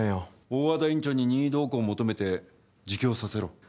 大和田院長に任意同行を求めて自供させろ